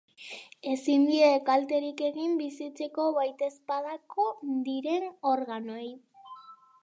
Ezin die kalterik egin bizitzeko baitezpadako diren organoei.